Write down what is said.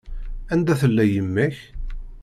Anda tella yemma-k?